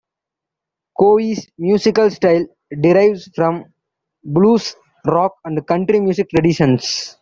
Coe's musical style derives from blues, rock and country music traditions.